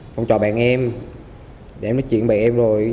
phòng trọ bạn em để em nói chuyện với bạn em rồi